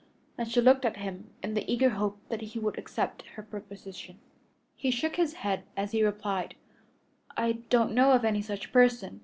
and she looked at him in the eager hope that he would accept her proposition. He shook his head as he replied, "I don't know of any such person.